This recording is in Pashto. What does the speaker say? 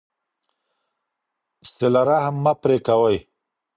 صلة رحم مه پرې کوئ.